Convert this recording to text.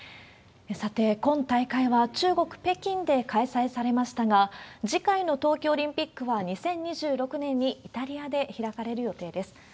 さて、今大会は中国・北京で開催されましたが、次回の冬季オリンピックは２０２６年にイタリアで開かれる予定です。